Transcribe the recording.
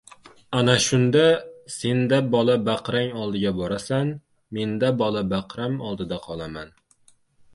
Ana shunda, sen-da bola- baqrang oldiga borasan, men-da bola-baqram oldida qolaman.